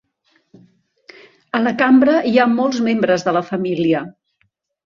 A la cambra hi ha molts membres de la família.